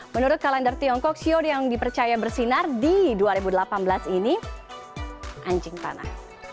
menurut kalender tiongkok xio yang dipercaya bersinar di dua ribu delapan belas ini anjing tanah